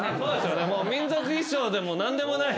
民族衣装でも何でもない。